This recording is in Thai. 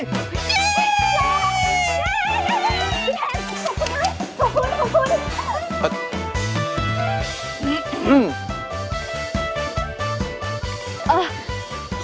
พี่แทนขอบคุณครับขอบคุณ